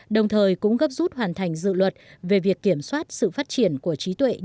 đồng thời cũng gấp rút hoàn thành dự luật về việc kiểm soát sự phát triển của trí tuệ